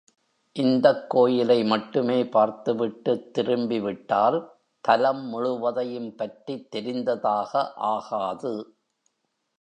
இந்தக்கோயிலை மட்டுமே பார்த்துவிட்டுத் திரும்பி விட்டால், தலம் முழுவதையும் பற்றித் தெரிந்ததாக ஆகாது.